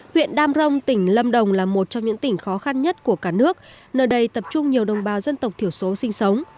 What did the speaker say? huyện đam rông tỉnh lâm đồng là một trong những tỉnh khó khăn nhất của cả nước nơi đây tập trung nhiều đồng bào dân tộc thiểu số sinh sống